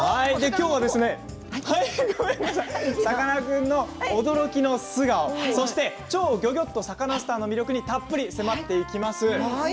きょうはさかなクンの驚きの素顔そして「超ギョギョッとサカナ★スター」の魅力にたっぷり迫っていきます。